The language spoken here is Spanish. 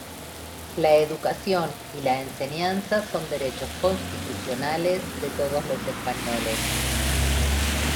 La educación y la enseñanza son derechos constitucionales de todos los españoles.